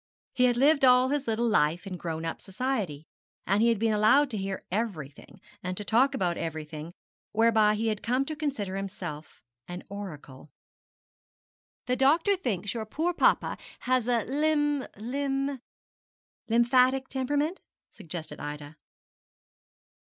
He had lived all his little life in grown up society, and had been allowed to hear everything, and to talk about everything, whereby he had come to consider himself an oracle. 'The doctor thinks your poor papa has a lym lym ' 'Lymphatic temperament?' suggested Ida.